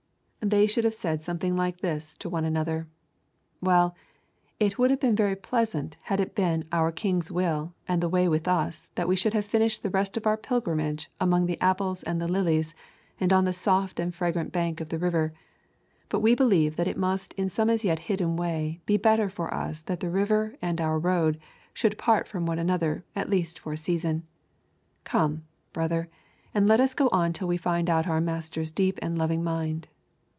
They should have said something like this to one another: Well, it would have been very pleasant had it been our King's will and way with us that we should have finished the rest of our pilgrimage among the apples and the lilies and on the soft and fragrant bank of the river; but we believe that it must in some as yet hidden way be better for us that the river and our road should part from one another at least for a season. Come, brother, and let us go on till we find out our Master's deep and loving mind.